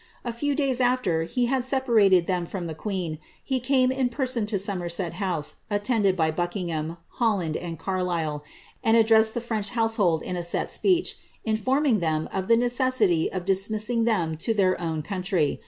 A few days ar he had separated them from the queen, he came in person to Somer> t Honse, attended by Buckingham, Holland, and Cariisle, and addressed 6 French household in a set speech, informing them of the necessity dismissing them to their own country.